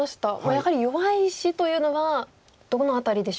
やはり弱い石というのはどの辺りでしょうか？